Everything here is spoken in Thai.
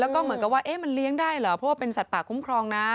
แล้วก็เหมือนกับว่ามันเลี้ยงได้เหรอเพราะว่าเป็นสัตว์ป่าคุ้มครองนะ